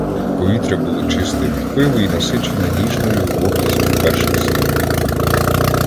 Повітря було чисте від пилу й насичене ніжною вогкістю перших сніжинок.